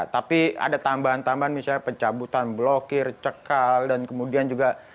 tapi ada tambahan tambahan misalnya pencabutan blokir cekal dan kemudian juga